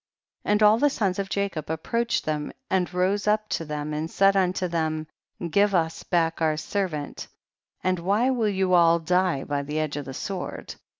11. And all the sons of Jacob ap proached them and rose up to them and said unto them, give us back our servant, and why will you all die by the edge of the sword